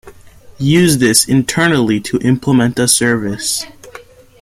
Use this internally to implement a service.